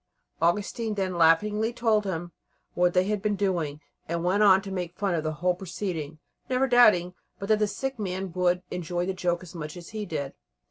Augustine then laughingly told him what they had been doing, and went on to make fun of the whole proceeding, never doubting but that the sick man would enjoy the joke as much as he did.